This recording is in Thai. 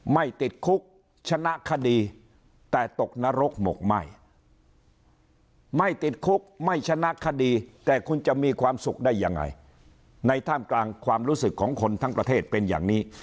ไม่ติดคุกชนะคดีแต่ตกนรกหมกไหม้ไม่ติดคุกไม่ชนะคดีแต่คุณจะมีความสุขได้ยังไงในท่ามกลางความรู้สึกของคนทั้งประเทศเป็นอย่างนี้